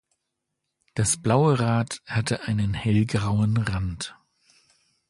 Das blaue Rad hatte einen hellgrauen Rand.